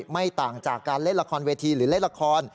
ไม่ต่างจากการเล่นละครเวทีหรือเล่นละคร